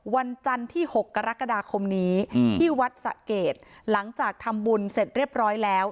วันจันทร์ที่๖กรกฎาคมนี้ที่วัดสะเกดหลังจากทำบุญเสร็จเรียบร้อยแล้ว